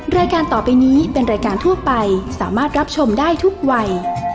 รายการต่อไปนี้เป็นรายการทั่วไปสามารถรับชมได้ทุกวัย